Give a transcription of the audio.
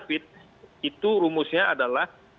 itu rumusnya adalah